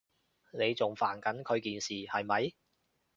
你仲煩緊佢件事，係咪？